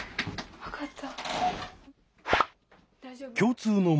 分かった。